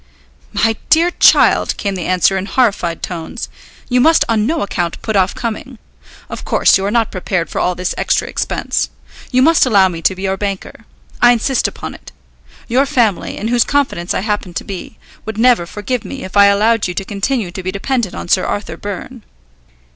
"My dear child," came the answer in horrified tones, "you must on no account put off coming. Of course you are not prepared for all this extra expense. You must allow me to be your banker. I insist upon it. Your family, in whose confidence I happen to be, would never forgive me if I allowed you to continue to be dependent on Sir Arthur Byrne."